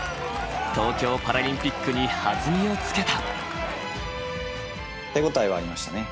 東京パラリンピックに弾みをつけた。